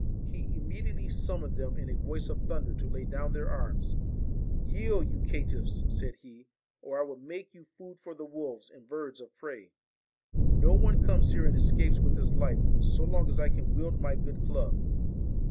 He immediately summoned them in a voice of thunder to lay down their arms. ' Yield, you caitiffs !' said he, ' or I will make you food for the wolves and birds of prey. No one comes here and escapes with his life so long as I can wield my good club.'